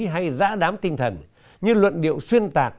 hay giã đám tinh thần như luận điệu xuyên tạc